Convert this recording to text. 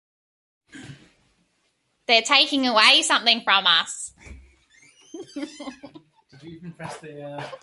They're taking away something from us.